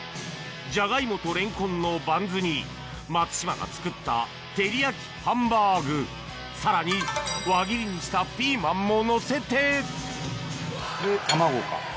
ジャガイモとレンコンのバンズに松島が作った照り焼きハンバーグさらに輪切りにしたピーマンものせてで卵か。